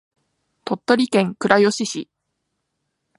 鳥取県倉吉市